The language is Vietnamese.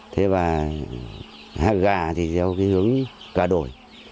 thế và gà thì theo hướng gà đổi